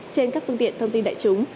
trên các phương tiện thông tin đại chúng